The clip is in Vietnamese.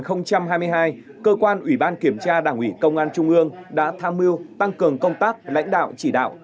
năm hai nghìn hai mươi hai cơ quan ủy ban kiểm tra đảng ủy công an trung ương đã tham mưu tăng cường công tác lãnh đạo chỉ đạo